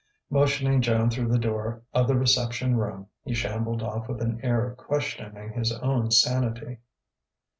Motioning Joan through the door of the reception room, he shambled off with an air of questioning his own sanity.